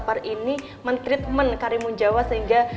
memercayai peralaiman suara week